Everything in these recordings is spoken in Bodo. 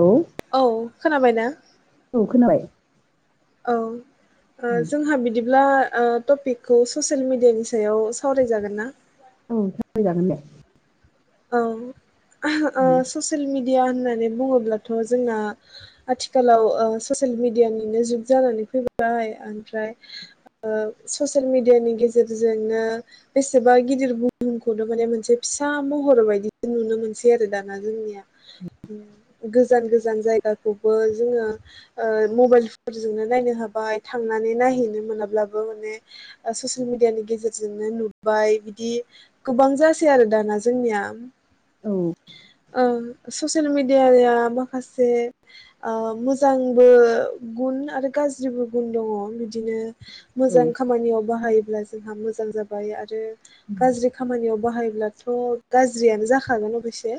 औ औ खोनाबाय। औ। जोंहा बिदिब्ला टपिकखौ ससियेल मिेडियानि सायाव सावरायजागोन ना? औ सावरायजागोन दे। औ। ससियेल मिडिया मिदिया होननानै बुङोब्लाथ' जोंना आथिखालाव सियेल मिदियानि जुग जानानै फैबाय ओमफ्राय ओ ससियेल मिदियानि गेजेरजोंनो बेसेबा गिदिर बुहुमखौनो मोनसे फिसा महर बायदि नुनो मोनसै आरो दाना जोंनिया गोजान गोजान जायगाखौबो जोङो मबाइल फोरजोंनो नायनो हाबाय थांनानै नायहैनो मोनाब्लाबो माने ससियेल मिडियानि गेजेरजोंनो नुबाय बिदि गोबां जासै आरो दाना। जोंनिया। औ ओं। ससियेल मेडियाया माखासे मोजांनिबो गुन आरो गाज्रिबो गुन दङ बिदिनो। औ मोजां खामानियाव बाहाय अब्ला जोंहा मोजां जाबाय आरो गाज्रि खामानियाव बाहाय ला थ' गाज्रियानो जाखागोन अबयसे।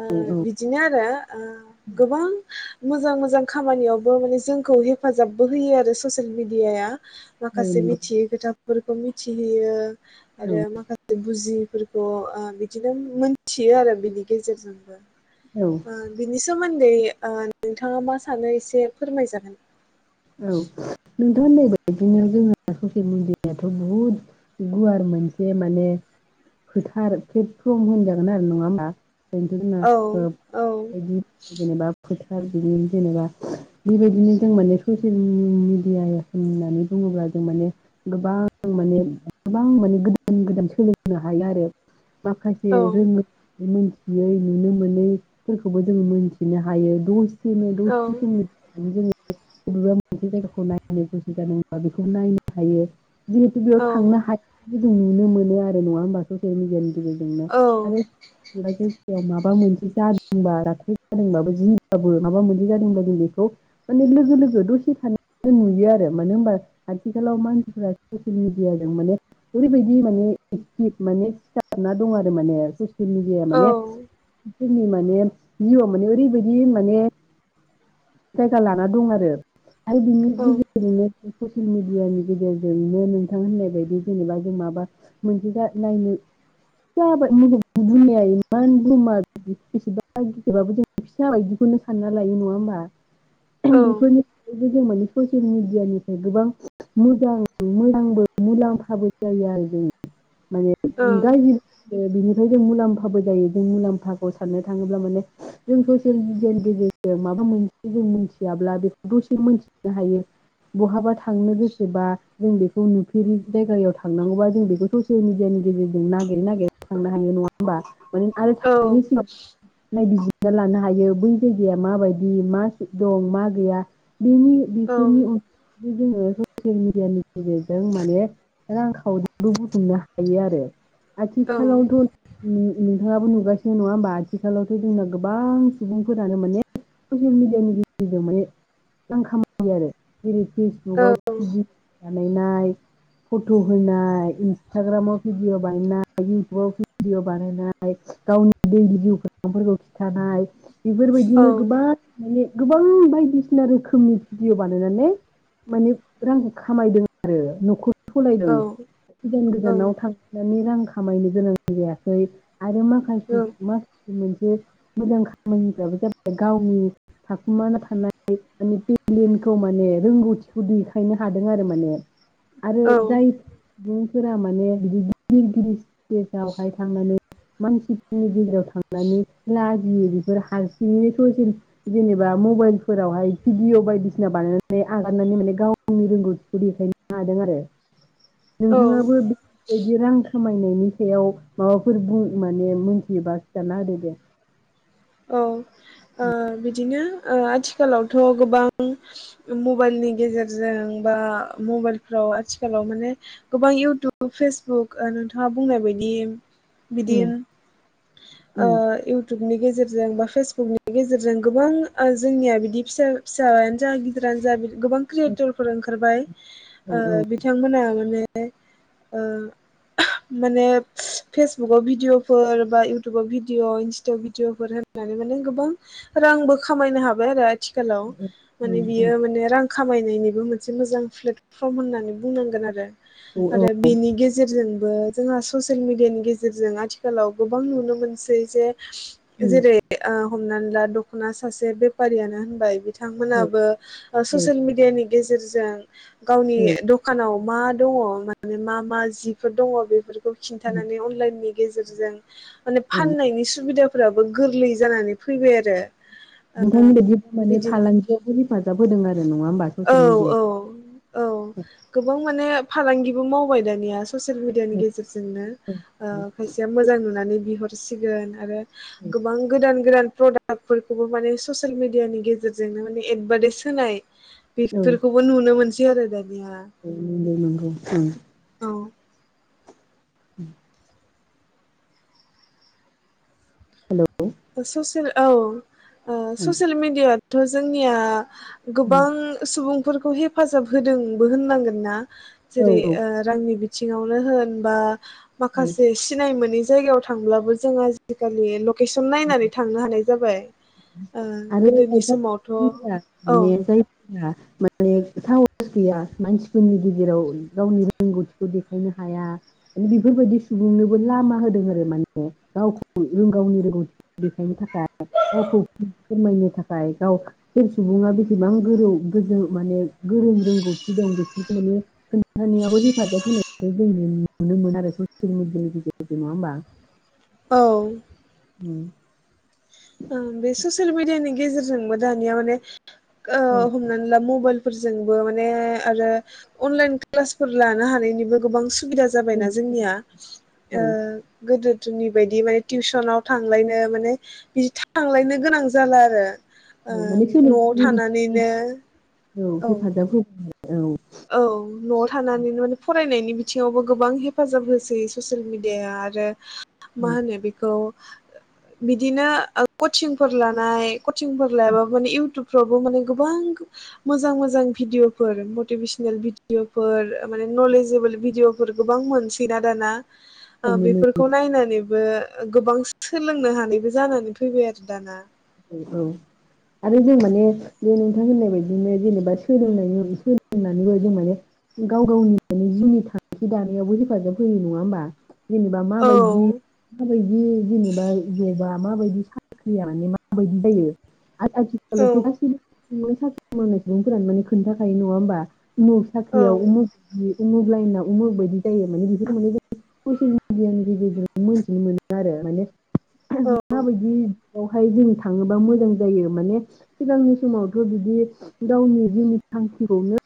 ओ औ बिदिनो आरो ओ गोबां मोजां मोजां खामानियावबो माने जोंखौ हेफाजाबबो होयो आरो ससियेल मेडियाया। माखासे नंगौ मिथियै खोथा खौ मिथिहैयो। औ आरो माखासे बुजिफोर ग। [unintelligible] बिदिनो मोनथियो आरो बिनि गेजेरजोंबो औ ओ बिनि सोमोन्दै नोंथाङा मा सानो एसे फोरमायजागोन। औ। नोंथां नैब बिदिनो जोंहा ससियेल मिडियायाथ' बुहुद गुवार मोनसे माने फोथार प्लेटफर्म होनजागोन आरो नङा होमा? [inaudible] बेनोथ' जोंना औ ओ औ बायदि जेनेबा फोथ बिदिनो जेनेबा बेबायदिनो जों माने ससियेल मिडिया होननानै बुङोब्ला जों माने गोबां माने गोबां माने गोदान गोदान सोलोंनो हायो आरो । माखासे औ रोंङो मोनथि यै नुनो मोनैफोरखौबो जोंङो मोनथिनो हायो दसे दसेनो औ दसे समनि गेजेरावनो जोंङो बबेबा मोनसे जायगाखौ नायनो गोसो जादोंबा बेखौ नायनो हायो । जिहेथु बेयाव औ थांनो हा बिदि नुनो मोनो आरो नङा होमबा ससियेल मेदियानि गेजेरजोंनो औ आरो [unintelligible] माबा मोनसे जादोंबा [unintelligible] जादोंबो जि बाबो माबा मोनसे जादों बेखौ माने लोगो लोगो दसे थाना नुयो आरो मानो होनबा आथिखालाव मानसिफोरा ससियेल मिडियाजों माने ओरैबायदि माने एक्टिभ माने सिथाबना दं आरो माने । मिदियाया औ माने जोंनि माने जिउआव माने ओरैबायदि माने जायगा लाना दं आरो । आरो बिनि औ गेजेरजोंनो ससियेल मिडियानि गेजेरजोंनो नोंथां होननाय बायदि जेनेबा जों माबा मोनसे नायनो फिसा बुंनाया इमान बहुमा बेसेबा गिदिरबाबो जों फिसा बायदिखौनो सानना लायो नङा होमबा? बेफोरनि जों माने ससियेल मिडियानिफ्राय गोबां मोजां मोजांबो मुलाम्फाबो जायो आरो जों माने [unintelligible] बिनि जों मुलाम्फाबो जायो जों मुलाम्फाखौ साननो थाङोब्ला माने जों ससियेल मिडियानि गेजेरजों माबा मोनसे जों मोनथियाब्ला बेखौ दसे मोनथिनो हायो बहाबा थांनो गोसोबा जों बेखौ नुफेरि जायगायाव थांनांगौबा जों बेखौ ससियेल मिडियानि गेजेरजों नागिरै नागिरै थांनो हायो नङा होमबा? आरो थांनायनि सिगां नायबिजिर ना लानो हायो बै जायगाया माबायदि मा दं मा गैया? बेनि बेफोरनि अन औ जोंङो ससेल मिडियानि गेजेरजों माने रां खावरिबो बुथुमनो हायो आरो । आथिखालावथ उम्म नोंथाङाबो नुगासिनो नङा होमबा आथिखालावथ जोंना गोबां सुबुंफोरानो माने ससेल मिडिया नि गेजेरजों माने रां खामायो आरो । जेरै औ फेसबुगाव [unintelligible] बानायनाय फट' होनाय इन्सटाग्रामाव भिडिअ बानायनाय इउटुबाव भिडिअ बानायनाय गावनि दै जिउफोरखौ खिन्थानाय । औ बेफोरबायदिनो गोबां ने गोबां बायदिसिना रोखोमनि भिडिअ बानायनानै माने रांखौ खामायदों आरो न'खर सलायदों औ गोजान औ गोजानाव थांनानै रां खामायनो गोनां जायाखै आरो माखासे मा मोनसे मोजां खामानिफ्राबो जाबाय गावनि थाखोमुमाना थानाय माने टेलेन्टखौ माने रोंगौथिखौ देखायनो हादों आरो माने आरो दाय सुबुंफोरा माने बिदि गिदिर गिदिर दे दावहाय थांनानै मानसिफोरनि गेजेर थांलायनो लाज नै बेफोर हारसिंङैनोथ जेर जेनेबा मबाइलफोरावहाय भिडिअ बायदिसिना बानायनानै आगारनानै माने गावनि रोंगौथिखौ देखायनो हादों आरो औ नोंथाङाबो बेबायदि रां खामायनायनि सायाव माबाफोर बुं माने मोनथियोबा खिथाना होदो दे औ ओ बिदिनो ओ आथिखालावथ गोबां मबाइलनि गेजेरजों बा मबाइलफ्राव आथिखालाव माने गोबां इउटुब फेसबुक ओ नोंथाङा बुंनाय बायदि उम बिदिं ओ उम इउटुब बिनि गेजेर जों बा फेसबुकनि गेजेरजों गोबां ओ जोंनिया बिदि फिसा फिसायानो जा गिदिरानो जा बि गोबां क्रियेटरफोर ओंखारबाय औ ओ औ बिथांमोना माने ओ माने फेसबुक आव भिडिअ फोर बा इउटुबाव भिडिअ इनस्थायाव भिडिअफोर होन होनानै माने गोबां रांबो खामायनो हाबाय आरो आथ आथिखालाव उम माने औ उम बियो माने रां खामायनायनिबो मोनसे मोजां प्लेटफर्म होननानै बुंनांगोन आरो औ आरो बेनि गेजेरजों बो जोंहा ससियेल मिडियानि गेजेरजों आथिखालाव गोबां नुनो मोनसै जे जेरै हमनानै ला दखना सासे बेफारियानो होनबाय बिदि बिथांमोनाबो ससियेल मिडिया नि गेजेरजों गावनि औ दखानाव मा दङ माने मा मा जिफोर दङ बेफोरखौ उम खिन्थानानै अनलाइननि गेजेरजों माने ओं फाननायनि सुबिदा फोराबो गोरलै जानानै फैबाय आरो नोंथांनि बायदि माने बिदिनो फालांगियावबो हेफाजाब होदों आरो नङा होमबा औ ससिल औ औ मिडिया। गोबां माने फालांगिबो मावबाय दानिया। ससियेल मिडियानि गेजेरजोंनो ओ खायसेया मोजां नुनानै। बिहरसिगोन आरो गोबां गोदान गोदान प्रडाक्टफोरखौबो माने ससियेल मिडियानि गेजेरजोंनो माने एडभार्टाइस होनाय। औ बेफोरखौबो नुनो मोन सै आरो दानि। बिहा औ नंगौ नंगौ औ। उ हेलौ। ससियेल। औ। ओ ससियेल मिडिया। थ जोंनिया। गोबां सुबुं। फोरखौ हेफाजाब होदोंबो होननांगोन ना। औ जेरै औ ओ रांनि बि सिङावनो होन बा। माखासे सिनाय मोनि। जायगायाव थांब्लाबो जों आजि कालि लकेसन। सम नायनानै थांनो हानाय जाबाय ओ आरो गोदोनि खायफा समावथ' सुबुंफोरा औ। ले साहस गैया मानसिफोरनि गेजेराव गावनि रोंगौथिखौ देखायनो हाया बेफोरबायदि सुबुंनोबो लामा होदों आरो माने गावखौ जों गावनि रोंगौथि। देखायनो थाखाय गावखौ फोरमायनो थाखाय गाव सोर सुबुङा बेसेबां गोरौ गोजौ माने गोरों रोंगौथि दं [unintelligible] माने खोन्थानायाव हेफाजाब होनाय जों नुनो मोन आरो ससियेल मिडियानि गेजेरजों नङा होमबा। औ। उम। ओं बे ससियेल मिडियानि गेजेरजोंबो दानिया माने। ओ हमनानै ला मबाइल। फोरजोंबो माने आरो अनलायन क्लासफोर लानो हानायनिबो गोबां स्क'ब। सुबिदा जाबायना जोंनिया ओ औ गोदो। जोंनि बायदि माने टिउसनाव थांलायनो माने। बिदि थांलायनो गोनां जाला आरो। ओ औ माने न'आव सोलोंथाइनि थानानैनो। बिथिङाव औ हेफाजाब होबो। औ न'आव थानानैनो फरायनायनि बिथिङावबो गोबां हेफाजाब होसै ससियेल मिडियाया आरो। मा होनो बेखौ। बिदिनो ओ कचिंफोर लानाय। कचिंफोर लायाबाबोनो इउटुब फ्रावबो माने गोबां मोजां मोजां भिडिअफोर मटिभेस नेल भिडिअफोर माने नलेजेबोल भिडिअफोर गोबां मोनसैना दाना। औ ओ बेफोरखौ नायनानैब बे गोबां सोलोंनो हानायबो जानानै फैबाय आरो दाना औ आरो जों माने बे नोंथां होननाय बायदिनो जेनेबा सोलोंनायनि सोलोंनानैबो जों माने गाव गावनि माने जिउनि थांखि दानायावबो हेफाजाब होयो नङा ओमबा? जेनेबा औ माबायदि माबायदि जेनेबा जबा? माबायदि साख्रिया माने मा मा बायदि जायो? औ [unintelligible] गासिबो [unintelligible] साख्रि मावनाय सुबुंफोरानो माने खोन्थाखायो नङा ओमबा? मु औ साख्रियावबो [unintelligible] उमुग लाइना उमुग बायदि जायो माने बेफोर माने जों ससियेल मिडियानि गेजेरजों मिथिनो मोनो आरो माने। औ मा बायदि? बेवहाय जों थाङोबा मोजां जायो माने सिगांनि समावथ' बिदि गावनि जिउनि थांखिखौनो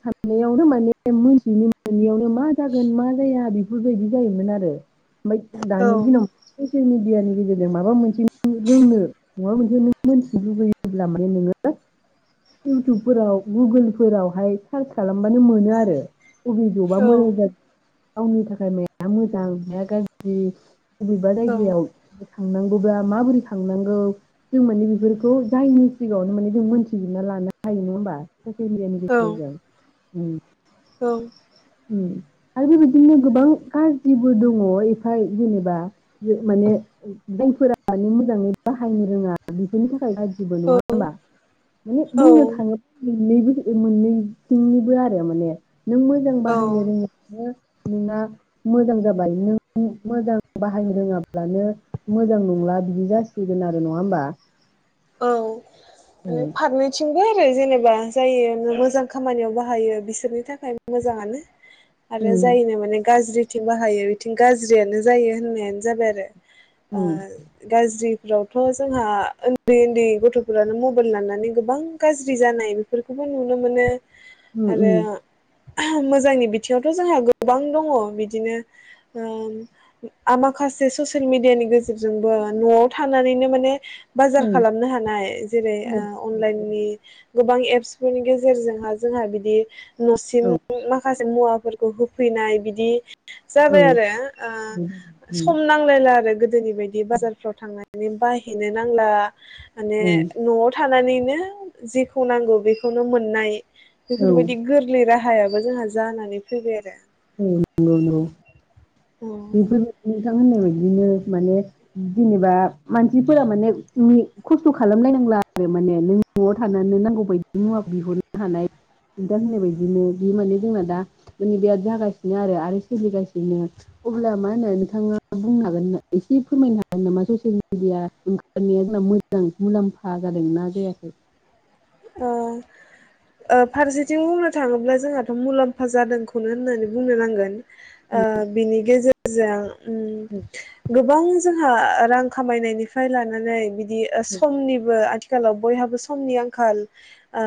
साननायावनो माने मोनथियैनो मोनैयावनो मा जागोन मा जाया बेफोरबायदि जायोमोन आरो। ओमफाय दानि दिनाव ससियेल मिडिया नि गेजेरजों माबा मोनसे रोंनो [unintelligible] मोन्थिनो लुबैयोब्ला माने नोङो इउटुबफोराव गुगोलफोरावहाय सार्च खालामबानो मोनो आरो उबि जबा औ मोजां जा गावनि थाखाय माया मोजां माया गाज्रि बबेबा जायगायाव थांनांगौब्ला माबोरै थांनांगौ? जों माने बेफोरखौ जायनि सिगाङावनो माने जों मोनथिजोबना लानो हायो नङा ओमबा? ससेल मेदियानि औ गेजेरजों उम औ उम आरो बेबायदिनो गोबां गाज्रिबो दङ एफाय जेनेबा माने जायफोरानो मोजाङै बाहायनो रोङा बिसोरनि थाखाय जेबो नङा ओमबा माने औ बुंनो थाङोब मोननैबो ओ मोननैथिंनिबो आरो माने नों मो औ बाहायनो रोङो नोंना मोजां जाबाय नों मोजां बाहायनो रोङाब्लानो मोजां नंला बिदि जासिगोन आरो नङा ओमबा? औ माने फारनैथिं रो जेनेबा जायो मोजां खामानियाव बाहायो बिसोरनि थाखाय मोजाङानो। आरो उम जायनो माने गाज्रि बिथिं बाहायो बिथिं गाज्रियानो जायो होननायानो जाबाय आरो। ओ उम गाज्रि रावथ' जोंहा उन्दै उन्दै गथ'फोरानो मबाइल लानानै गोबां गाज्रि जानाय बेफोरखौबो नुनो मोनो। आरो उम मोजांनि बिथिङावथ' जोंहा गोबां दङ बिदिनो ओ माखासे ससियेल मिडियानि गेजेरजोंबो न'आव थानानैनो माने बाजार उम खालामनो हानाय जेरै उम ओ अनलाइननि गोबां एप्सफोरनि गेजेरजोंहा जोंहा बिदि न'सिम औ माखासे मुवाफोरखौ होफैनाय बिदि औ जाबाय आरो ओ उम सम नांलायला आरो। दोनिबायदि बाजारफ्राव थांनाय ने बायहैनो नांला माने उम न'आव थाना थानानैनो जेखौ नांगौ बेखौनो मोननाय औ बेफोरबायदि गोरलै रा दाहायाबो जोंहा जानानै फैबाय आरो। [unintelligible] औ [unintelligible] बिथां होननाय बायदिनो माने जेनेबा मानसिफोरा माने खस्थ' खालामलायनांला आरो माने नों न'आव थानानै नांगौ बायदि मुवाखौ बिहरनो हानाय नोंथां होननाय बायदिनो बि माने जोंना दा माने बिराद जागासिनो आरो आरो सोलिगासिनो। अब्ला मा होनो नोंथाङा बुंनो हागोन एसे फोरमायनो हागोन नामा ससियेल मिडिया ओंखारनाया मोजां मुलाम्फा जादोंना जायाखै? ओ ओ फारसेथिं बुंनो थाङोब्ला जोंहाथ' मुलाम्फा जादोंखौनो होननानै बुंनो नांगोन। ओ बिनि गेजेर मोजां। उम गोबां जों आंहा रां खामायनायनिफ्राय लानानै बिदि ओ समनिबो आथिखालाव बयहाबो समनि आं खाल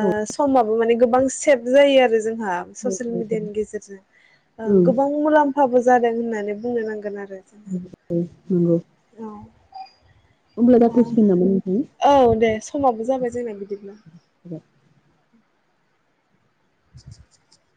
औ समाबो माने गोबां सेब जायो आरो। जोंहा ससेल औ मिडियानि गेजेरजों ओ औ औ गोबाव मुलाम हाबो जादों होननानै बुंनो नांगोन आर [unintelligible] नंगौ उब्ला जाथ'सिगोन नामा नोंथां औ दे समाबो जाबाय जोंना बिदिब्ला [unintelligible]